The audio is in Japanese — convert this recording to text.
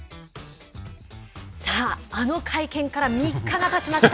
さあ、あの会見から３日がたちました。